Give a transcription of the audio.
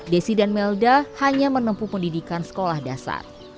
desi dan melda hanya menempuh pendidikan sekolah dasar